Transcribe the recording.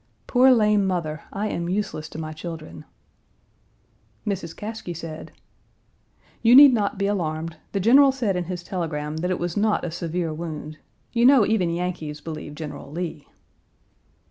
Poor lame mother, I am useless to my children." Mrs. Caskie said: "You need not be alarmed. The General said in his telegram that it was not a severe wound. You know even Yankees believe General Lee."